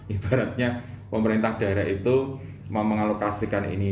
ibaratnya pemerintah daerah itu mengalokasikan ini